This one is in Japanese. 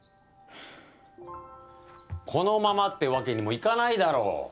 このままってわけにもいかないだろ。